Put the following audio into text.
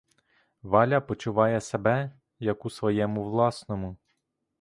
Валя почуває себе, як у своєму власному.